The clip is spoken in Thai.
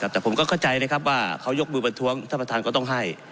แต่ผมก็เข้าใจนะครับว่าเขายกมือประท้วงท่านประธานก็ต้องให้